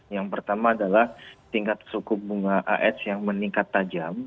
yang pertama adalah tingkat suku bunga as yang meningkat tajam